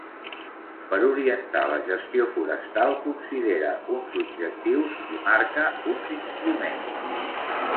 Per orientar la gestió forestal considera uns objectius, i marca uns instruments.